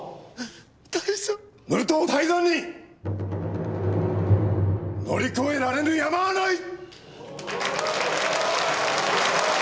武藤泰山に乗り越えられぬ山はない！！